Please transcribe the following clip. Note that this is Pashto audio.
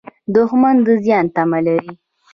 دښمن د زیان تمه لري